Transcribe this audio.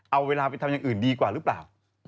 เอาเวลาไปทำอย่างอื่นดีกว่าหรือเปล่า